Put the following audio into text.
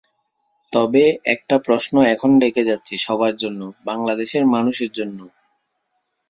তবে একটা প্রশ্ন এখন রেখে যাচ্ছি সবার জন্য, বাংলাদেশের মানুষের জন্য।